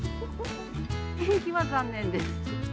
天気は残念です。